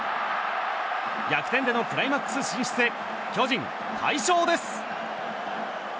逆転でのクライマックス進出へ巨人、快勝です！